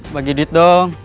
bagi dit dong